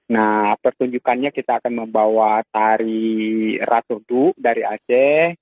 nah pertunjukannya kita akan membawa tari rasudu dari aceh